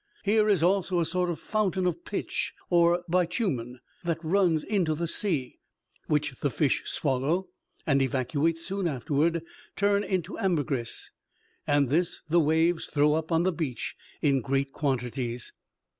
Here is also a sort of fountain of pitch or bitumen, that runs into the sea, which the fish swallow, and evacuate soon afterward, turned into ambergris; and this the waves throw up on the beach in great quantities.